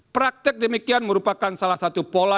praktek demikian merupakan salah satu pola